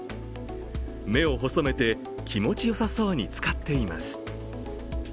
目を細めて、気持ちよさそうにつかっています。